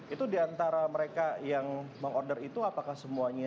itu di antara mereka yang mengorder itu apakah semuanya